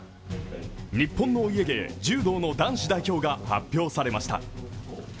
日本のお家芸、柔道の男子代表が発表されました。